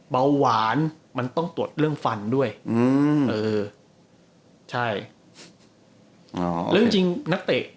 เบาหวานมันต้องตรวจเรื่องฟันด้วยอืมเออใช่อ๋อแล้วจริงจริงนักเตะ